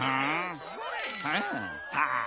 はあ？